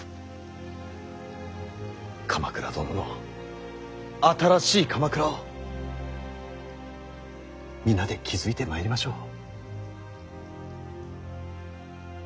鎌倉殿の新しい鎌倉を皆で築いてまいりましょう。